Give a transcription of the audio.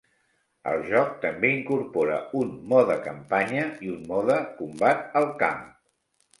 El joc també incorpora un "mode campanya" i un mode "combat al camp".